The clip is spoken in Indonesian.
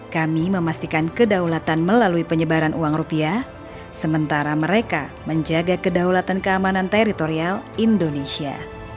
kami memastikan kedaulatan melalui penyebaran uang rupiah sementara mereka menjaga kedaulatan keamanan teritorial indonesia